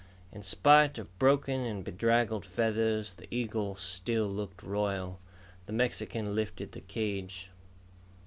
In spite of broken and bedraggled feathers, the eagle still looked royal. The Mexican lifted the cage.